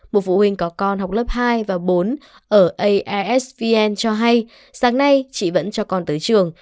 một phụ huynh có con học lớp hai và bốn ở aesvn cho hay sáng nay chị vẫn cho con tới trường